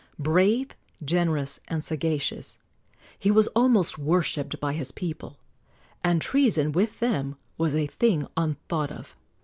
Brave, generous and sagacious, he was almost worshipped by his people, and treason, with them, was a thing unthought of.